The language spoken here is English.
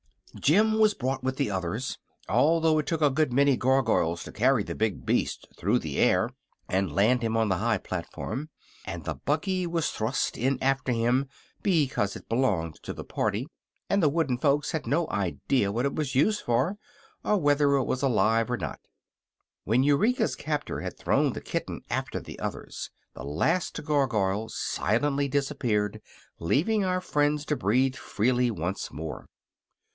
Jim was brought with the others, although it took a good many Gargoyles to carry the big beast through the air and land him on the high platform, and the buggy was thrust in after him because it belonged to the party and the wooden folks had no idea what it was used for or whether it was alive or not. When Eureka's captor had thrown the kitten after the others the last Gargoyle silently disappeared, leaving our friends to breathe freely once more.